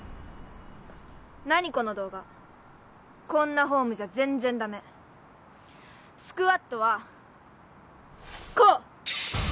何この動画こんなフォームじゃ全然ダメスクワットはこう！